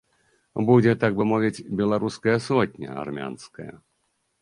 Будзе, так бы мовіць, беларуская сотня, армянская.